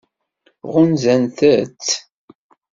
Ɣunzant-tt?